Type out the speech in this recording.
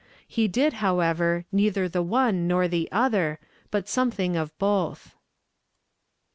He did, however, neither the one nor the other, but something of both.